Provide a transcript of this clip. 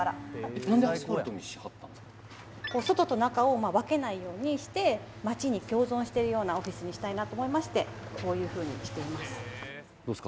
外と中を分けないようにしてまちに共存してるようなオフィスにしたいなと思いましてこういうふうにしていますどうですか？